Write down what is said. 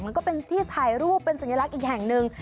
มันก็เป็นที่ถ่ายรูปเป็นสัญลักษณ์อีกแห่งหนึ่ง